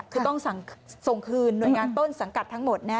คือต้องส่งคืนหน่วยงานต้นสังกัดทั้งหมดนะ